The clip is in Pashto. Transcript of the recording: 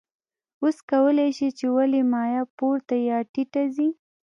اوس کولی شئ چې ولې مایع پورته یا ټیټه ځي.